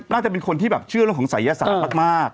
น่าจะเป็นคนที่แบบเชื่อเรื่องของศัยศาสตร์มาก